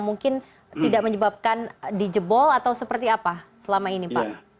mungkin tidak menyebabkan dijebol atau seperti apa selama ini pak